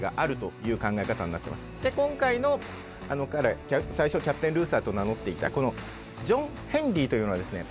で今回のあの彼最初キャプテン・ルーサーと名乗っていたこのジョン・ヘンリーというのはですね